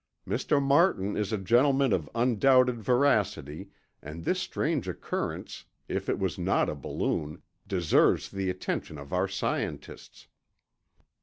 Mr. Martin is a gentleman of undoubted veracity and this strange occurrence, if it was not a balloon, deserves the attention of our scientists.